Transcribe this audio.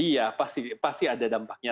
iya pasti ada dampaknya